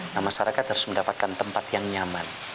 nah masyarakat harus mendapatkan tempat yang nyaman